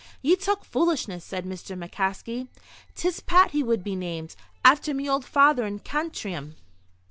"Ye talk foolishness," said Mr. McCaskey. "'Tis Pat he would be named, after me old father in Cantrim."